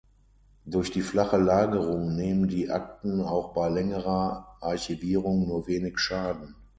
Durch die flache Lagerung nehmen die Akten auch bei längerer Archivierung nur wenig Schaden.